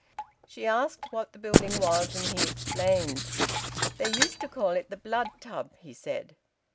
She asked what the building was, and he explained. "They used to call it the Blood Tub," he said.